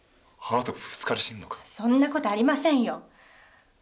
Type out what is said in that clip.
そんな事ありませんよ。